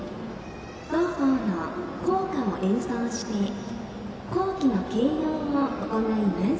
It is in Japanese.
同校の校歌を演奏して校旗の掲揚を行います。